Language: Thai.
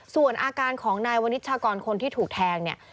ส่วนอาการของนายวนิชากรคนที่ถูกแทงเนี่ย